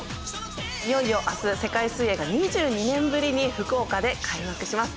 いよいよ明日世界水泳が２２年ぶりに福岡で開幕します。